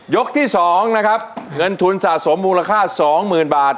ยกที่๒นะครับเงินทุนสะสมมูลค่าสองหมื่นบาท